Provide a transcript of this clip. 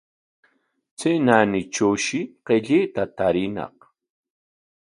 Chay naanitrawshi qillayta tariñaq.